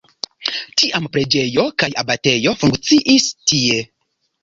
Tiam preĝejo kaj abatejo funkciis tie.